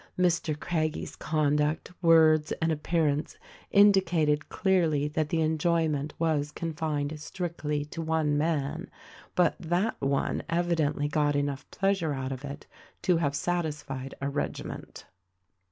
Mr. Craggie's conduct, words and appearance indicated clearly that the enjoyment was confined strictly to one man ; but that one evidently got enough pleas ure out of it to have satisfied a regiment.